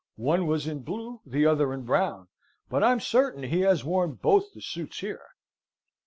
One was in blue, the other in brown; but I'm certain he has worn both the suits here."